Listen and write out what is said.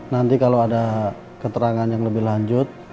nanti kalau ada keterangan yang lebih lanjut